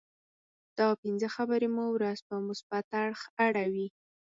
دا پنځه خبرې مو ورځ په مثبت اړخ اړوي.